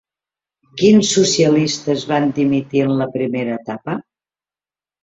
Quins socialistes van dimitir en la primera etapa?